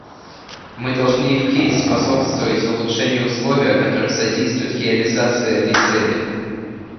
Мы должны и впредь способствовать улучшению условия, которые содействуют реализации этой цели.